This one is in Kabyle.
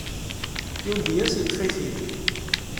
Yundi-as, yeṭṭef-it-id.